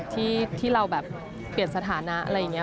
ที่เราแบบเปลี่ยนสถานะอะไรอย่างนี้